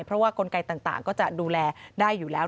เพราะว่ากลไกต่างก็จะดูแลได้อยู่แล้ว